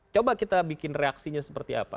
coba kita bikin reaksinya seperti apa